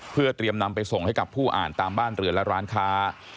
เพื่อเตรียมนำไปส่งให้กับผู้อ่านตามบ้านเรือนและร้านค้า